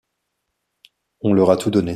On leur a tout donné.